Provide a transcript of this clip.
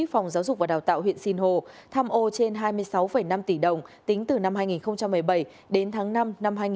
phòng giáo dục và đào tạo huyện sinh hồ tham ô trên hai mươi sáu năm tỷ đồng tính từ năm hai nghìn một mươi bảy đến tháng năm năm hai nghìn một mươi chín